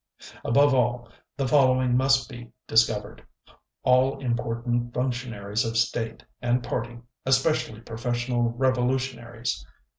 ." "Above all, the following must be discovered: all important functionaries of State and Party, especially professional revolutionaries